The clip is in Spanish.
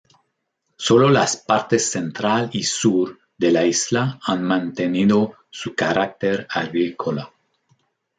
Solo las partes central y sur de la isla han mantenido su carácter agrícola.